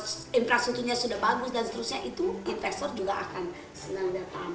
kalau infrastrukturnya sudah bagus dan seterusnya itu investor juga akan senang datang